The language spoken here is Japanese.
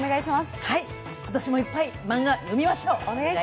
今年もいっぱいマンガ、読みましょう。